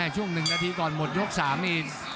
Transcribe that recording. ช่วง๑นาทีก่อนหมดยก๓นี่